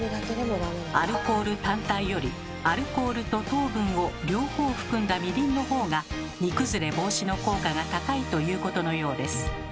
アルコール単体よりアルコールと糖分を両方含んだみりんのほうが煮崩れ防止の効果が高いということのようです。